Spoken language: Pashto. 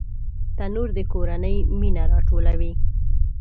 تنور د کورنۍ مینه راټولوي